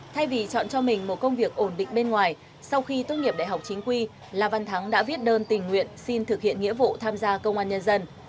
thay vì chọn cho mình một công việc ổn định bên ngoài sau khi tốt nghiệp đại học chính quy là văn thắng đã viết đơn tình nguyện xin thực hiện nghĩa vụ tham gia công an nhân dân